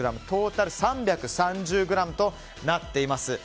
トータル３３０ｇとなっています。